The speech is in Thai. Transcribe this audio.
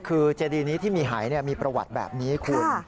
คือเจดีนี้ที่มีหายมีประวัติแบบนี้คุณ